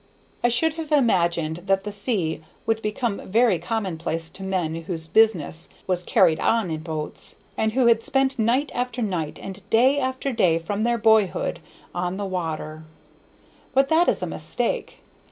I should have imagined that the sea would become very commonplace to men whose business was carried on in boats, and who had spent night after night and day after day from their boyhood on the water; but that is a mistake.